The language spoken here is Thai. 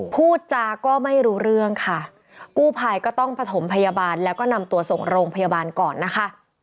พูดจาก็ไม่รู้เรื่องค่ะกู้ภัยก็ต้องประถมพยาบาลแล้วก็นำตัวส่งโรงพยาบาลก่อนนะคะ